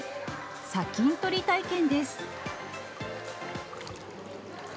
砂金採り体験です。